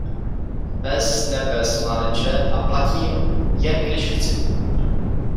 Pes nepes, mládenče, a platím, jen když chci.